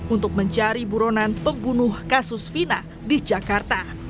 untuk mencari buronan pembunuh kasus fina di jakarta